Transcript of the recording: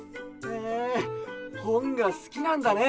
へえほんがすきなんだね。